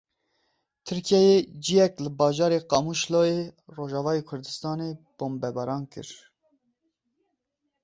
Tirkiyeyê cihek li bajarê Qamişloya Rojavayê Kurdistanê bombebaran kir.